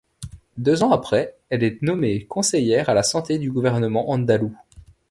Deux ans après, elle est nommée conseillère à la Santé du gouvernement andalou.